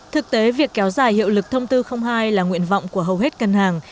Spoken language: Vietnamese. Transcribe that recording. thực tế việc kéo dài hiệu lực thông tư hai là nguyện vọng của hầu hết ngân hàng